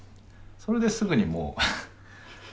それですぐにもう。